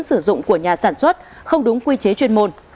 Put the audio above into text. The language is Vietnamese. sử dụng của nhà sản xuất không đúng quy chế chuyên môn